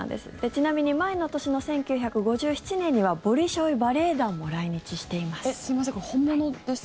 ちなみに前の年の１９５７年にはボリショイ・バレエ団も来日しています。